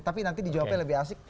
tapi nanti dijawabnya lebih asik